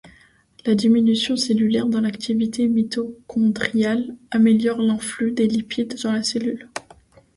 La diminution cellulaire dans l'activité mitochondriale améliore l’influx des lipides dans la cellule.